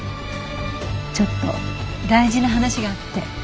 ちょっと大事な話があって。